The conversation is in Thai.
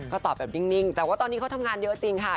ก็ตอบแบบนิ่งแต่ว่าตอนนี้เขาทำงานเยอะจริงค่ะ